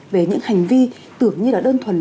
về những hành vi tưởng như là đơn thuần